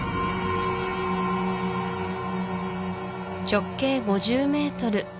直径５０ｍ